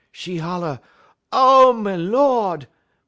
'E holler: "'Ow, me Lard!